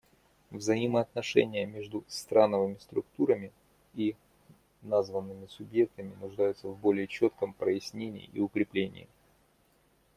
Взаимоотношения между страновыми структурами и названными субъектами нуждаются в более четком прояснении и укреплении.